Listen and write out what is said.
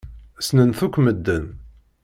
Ssnen-t akk medden.